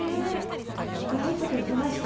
いやいい時に来ました。